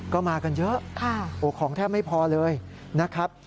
ก็มากันเยอะของแทบไม่พอเลยนะครับ